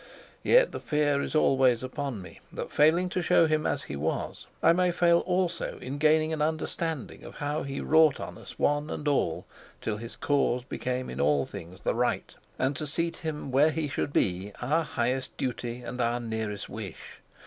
Yet the fear is always upon me that, failing to show him as he was, I may fail also in gaining an understanding of how he wrought on us, one and all, till his cause became in all things the right, and to seat him where he should be our highest duty and our nearest wish.